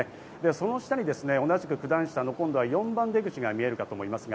その下に同じく九段下の４番出口が見えるかと思います。